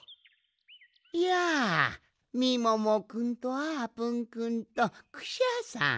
やあみももくんとあーぷんくんとクシャさん。